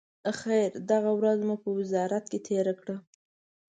خیر، دغه ورځ مو په وزارت کې تېره کړه.